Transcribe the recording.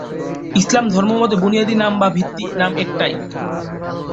ইসলাম ধর্ম মতে বুনিয়াদি নাম বা ভিত্তি নাম একটিই।